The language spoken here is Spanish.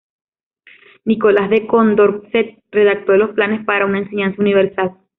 Nicolas de Condorcet redactó los planes para una enseñanza universal.